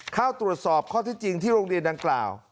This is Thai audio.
เข้าตรวจสอบข้อที่จริงที่โรงเรียนดังกล่าว